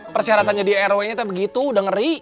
persyaratannya di rwnya tuh begitu udah ngeri